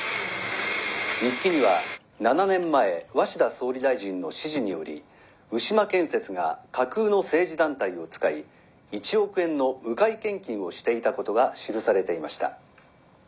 日記には７年前鷲田総理大臣の指示により牛間建設が架空の政治団体を使い１億円の迂回献金をしていたことが記されていました。